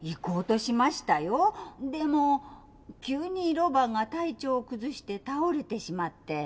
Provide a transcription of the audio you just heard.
でも急にロバが体調を崩して倒れてしまって。